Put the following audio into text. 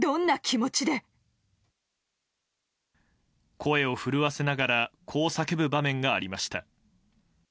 声を震わせながらこう叫ぶ場面がありました。